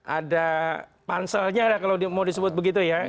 ada panselnya lah kalau mau disebut begitu ya